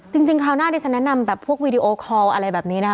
จริงคราวหน้าเนี่ยฉันนัดนำแบบพวกวิดีโอคอลอะไรแบบนี้นะ